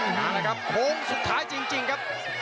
นั่นแหละครับโหสุดท้ายจริงจริงครับ